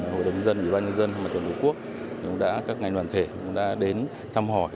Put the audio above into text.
hội đồng dân ủy ban nhân dân hội tuyển đối quốc các ngành đoàn thể đã đến thăm hỏi